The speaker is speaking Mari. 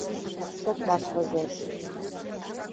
— Шотлаш возеш...